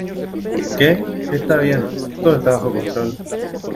¿ Qué? Está bien. todo está bajo control .